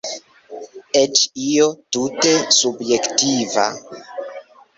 Eĉ io tute subjektiva.